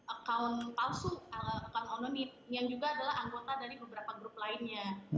account palsu account onony yang juga adalah anggota dari beberapa grup lainnya